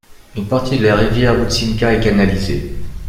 Une partie de la rivière Mustinka est canalisée.